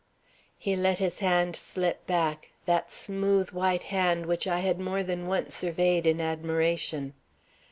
He let his hand slip back, that smooth white hand which I had more than once surveyed in admiration.